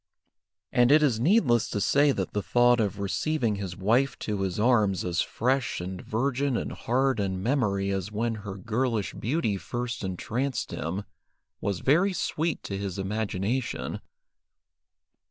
And it is needless to say that the thought of receiving his wife to his arms as fresh and virgin in heart and memory as when her girlish beauty first entranced him, was very sweet to his imagination.